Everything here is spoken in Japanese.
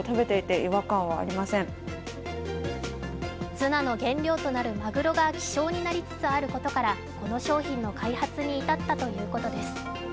ツナの原料となるまぐろが希少になりつつあることから、この商品の開発に至ったということです。